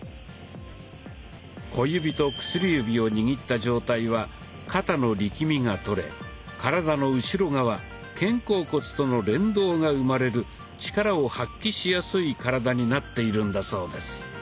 小指と薬指を握った状態は肩の力みがとれ体の後ろ側・肩甲骨との連動が生まれる力を発揮しやすい体になっているんだそうです。